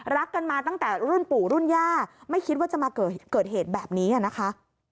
รักกันมาตั้งแต่รุ่นปู่รุ่นย่าไม่คิดว่าจะมาเกิดเหตุแบบนี้นะคะ